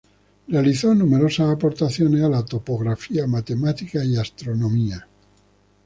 Realizó numerosas aportaciones a la topografía, matemática y astronomía.